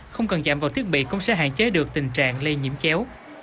không cần chạm vào thiết bị cũng sẽ hạn chế được tình trạng lây nhiễm chéo